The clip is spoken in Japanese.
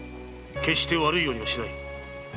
決して悪いようにはしない。